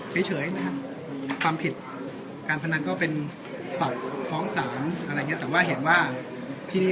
เละเฉยนะฮะวันคลิปการพนันก็เป็นแบบของสารอะไรเงี้ยแต่ว่าเห็นว่าที่นี่